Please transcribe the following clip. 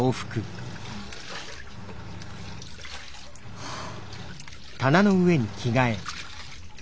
はあ。